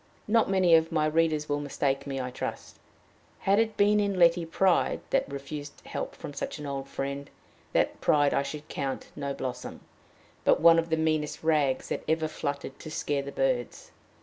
Not many of my readers will mistake me, I trust. Had it been in Letty pride that refused help from such an old friend, that pride I should count no blossom, but one of the meanest rags that ever fluttered to scare the birds.